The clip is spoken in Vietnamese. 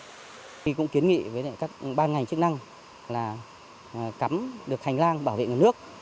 thì cũng kiến nghị với các ban ngành chức năng là cắm được hành lang bảo vệ nguồn nước